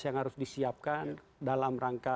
yang harus disiapkan dalam rangka